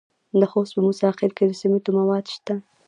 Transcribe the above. د خوست په موسی خیل کې د سمنټو مواد شته.